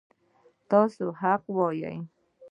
تل حق وایه